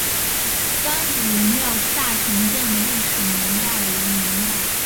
甘谷文庙大成殿的历史年代为明代。